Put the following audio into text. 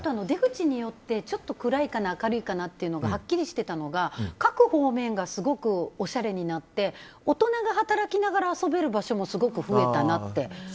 出口によってちょっと暗いかな明るいかなっていうのがはっきりしてたのが各方面がすごくおしゃれになって大人が働きながら遊べる場所も増えたなって。